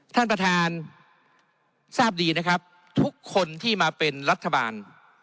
ท่านประธานทราบดีนะครับทุกคนที่มาเป็นรัฐบาล